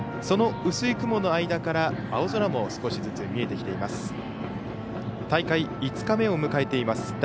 その薄い雲の間から青空も少しずつ見えてきています。